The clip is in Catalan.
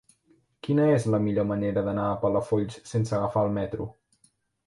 Quina és la millor manera d'anar a Palafolls sense agafar el metro?